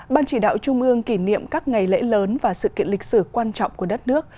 ban chỉ đạo trung ương kỷ niệm các ngày lễ lớn và sự kiện lịch sử quan trọng của đất nước